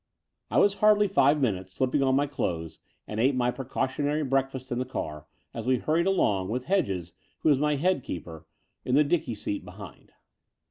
I was hardly five minutes slipping on my clothes and ate my precautionary breakfast in the car, as we hurried along, with Hedges (who is my head keeper) on the dicky seat behind.